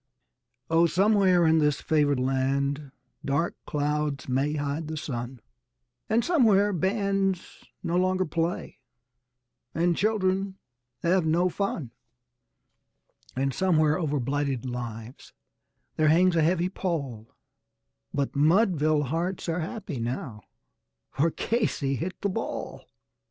Oh, somewhere in this favored land dark clouds may hide the sun, And somewhere bands no longer play and children have no fun; And somewhere over blighted lives there hangs a heavy pall, But Mudville hearts are happy now for Casey hit the ball!